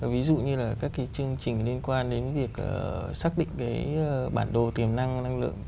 ví dụ như là các cái chương trình liên quan đến việc xác định cái bản đồ tiềm năng năng lượng